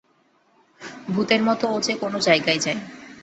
ভূতের মতো ও যে কোনো জায়গায় যায়!